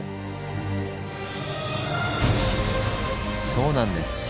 そうなんです。